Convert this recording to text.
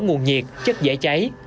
nguồn nhiệt chất dễ cháy